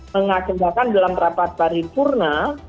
mengakibatkan dalam rapat pariwurna